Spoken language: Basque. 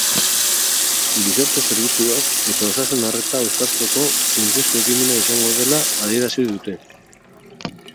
Gizarte-zerbitzuak eta osasun-arreta uztartzeko funtsezko ekimena izango dela adierazi dute.